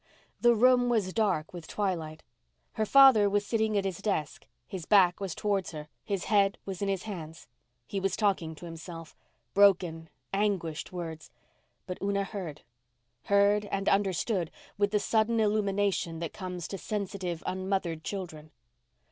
The room was dark with twilight. Her father was sitting at his desk. His back was towards her—his head was in his hands. He was talking to himself—broken, anguished words—but Una heard—heard and understood, with the sudden illumination that comes to sensitive, unmothered children.